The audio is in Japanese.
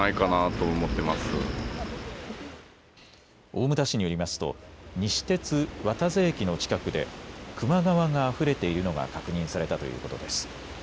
大牟田市によりますと西鉄渡瀬駅の近くで隈川があふれているのが確認されたということです。